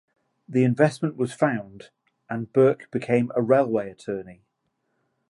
The investment was found, and Burke became a railway attorney.